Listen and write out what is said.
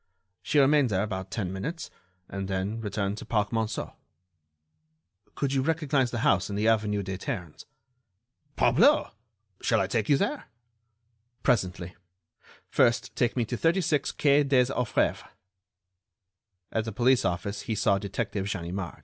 She remained there about ten minutes, and then returned to the Parc Monceau." "Could you recognize the house in the avenue des Ternes?" "Parbleu! Shall I take you there?" "Presently. First take me to 36 quai des Orfèvres." At the police office he saw Detective Ganimard.